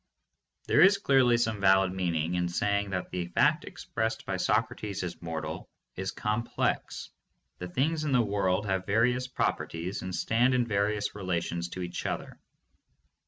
There is clearly some valid meaning in saying that the fact expressed by "Socrates is mortal" is complex. The things in the world have various properties, and stand in various relations to each other.